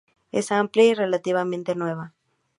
Es amplia y relativamente nueva.